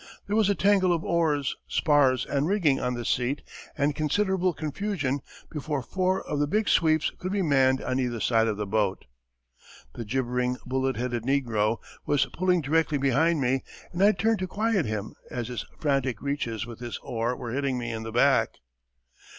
There was a tangle of oars, spars and rigging on the seat and considerable confusion before four of the big sweeps could be manned on either side of the boat. The gibbering bullet headed negro was pulling directly behind me and I turned to quiet him as his frantic reaches with his oar were hitting me in the back.